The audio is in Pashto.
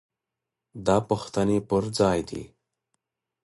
دا پوښتنې پر ځای دي.